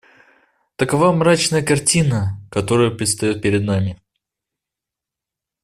Такова мрачная картина, которая предстает перед нами.